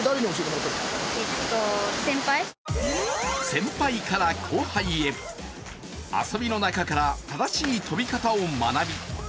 先輩から後輩へ遊びの中から正しい飛び方を学び